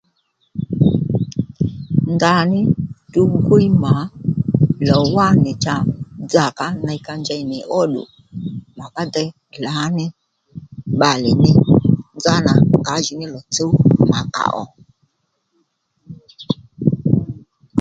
Ndaní ndrǔ gwíy mà lò wá nì cha dzakǎ ney ka njey nì ó ddù mà ká dey lǎní bbalè ní nzanà ngǎjìníní lò tsǔw mà kà ò